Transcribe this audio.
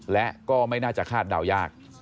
และก็ไม่น่าจะคาดเดายาก